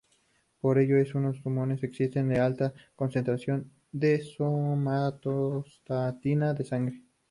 Por ello en estos tumores existe una alta concentración de somatostatina en sangre.